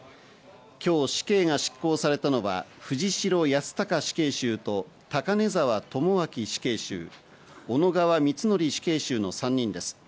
今日、死刑が執行されたのは藤城康孝死刑囚と高根沢智明死刑囚、小野川光紀死刑囚の３人です。